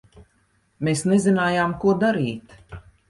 Mēs nezinājām, ko darīt.